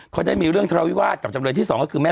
เขาได้มีเรื่องทะเลาวิวาสกับจำเลยที่สองก็คือแม่